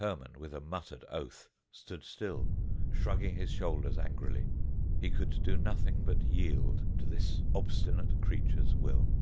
Hermon, with a muttered oath, stood still, shrugging his shoulders angrily. He could do nothing but yield to this obstinate creature's will.